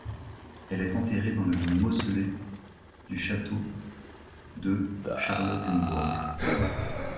Elle est enterrée dans le mausolée du château de Charlottenbourg.